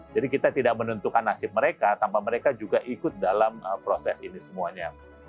jadi kita tidak menentukan nasib mereka tanpa mereka juga ikut dalam proses ini semuanya